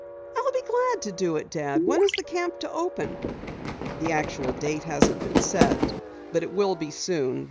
"I'll be glad to do it, Dad. When is the camp to open?" "The actual date hasn't been set, but it will be soon.